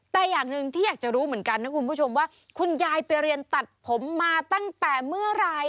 แต่อย่างหนึ่งที่อยากจะรู้เหมือนกันนะคุณผู้ชมว่าคุณยายไปเรียนตัดผมมาตั้งแต่เมื่อไหร่